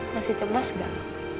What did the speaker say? masih cemas gak